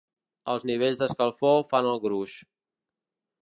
Els nivells d’escalfor fan el gruix.